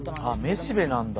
あ雌しべなんだ。